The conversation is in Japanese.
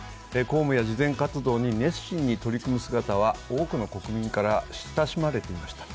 公務や慈善活動に熱心に取り組む姿は多くの国民から親しまれていました。